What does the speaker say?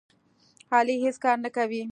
علي هېڅ کار نه کوي.